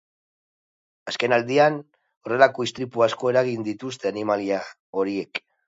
Azken aldian horrelako istripu asko eragin dituzte animalia horiek.